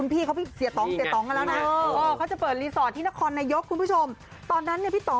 พี่เขากำลังเปิดรีสอร์ทนะ